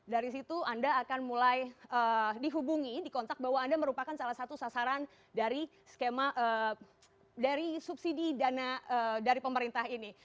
dari situ anda akan mulai dihubungi dikontak bahwa anda merupakan salah satu sasaran dari subsidi dana dari pemerintah ini